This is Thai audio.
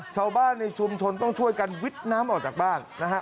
ชาวบ้านในชุมชนต้องช่วยกันวิทย์น้ำออกจากบ้านนะฮะ